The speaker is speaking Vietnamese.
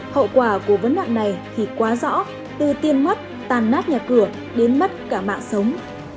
hậu quả của vấn nạn này thì quá rõ từ tiền mất tàn nát nhà cửa đến mất cả mạng sống